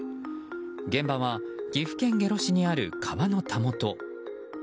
現場は岐阜県下呂市にある川のたもと。